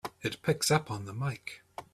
It picks up on the mike!